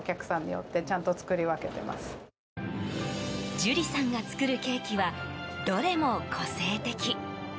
Ｊｕｌｉさんが作るケーキはどれも個性的。